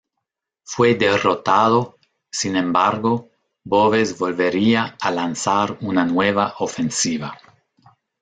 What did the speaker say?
Fue derrotado, sin embargo, Boves volvería a lanzar una nueva ofensiva.